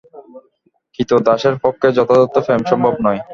ক্রীতদাসের পক্ষে যথার্থ প্রেম সম্ভব নয়।